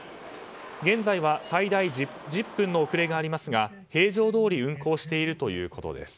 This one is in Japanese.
現在は最大１０分の遅れがありますが平常どおり運行しているということです。